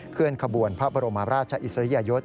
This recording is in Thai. เคลื่อนขบวนพระบรมราชอิสริยยศ